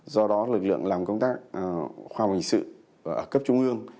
do đó lực lượng làm công tác khoa học hình sự ở cấp trung ương